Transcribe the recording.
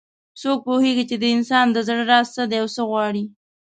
څوک پوهیږي چې د انسان د زړه راز څه ده او څه غواړي